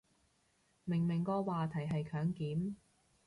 明明個話題係強檢